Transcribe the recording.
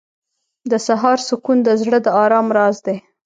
• د سهار سکون د زړه د آرام راز دی.